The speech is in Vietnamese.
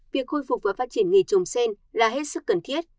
việc khôi phục và phát triển nghề trồng sen là hết sức cần thiết